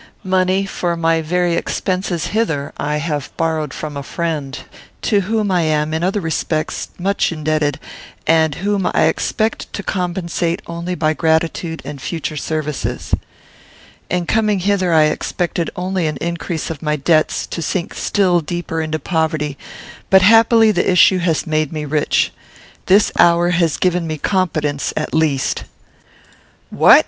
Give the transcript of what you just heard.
"Money for my very expenses hither I have borrowed from a friend, to whom I am, in other respects, much indebted, and whom I expect to compensate only by gratitude and future services. "In coming hither, I expected only an increase of my debts; to sink still deeper into poverty; but happily the issue has made me rich. This hour has given me competence, at least." "What!